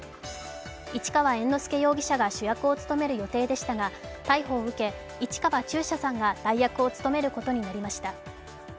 市川猿之助容疑者が主役を務める予定でしたが、逮捕を受け、市川中車さんが代役を務めることになりました。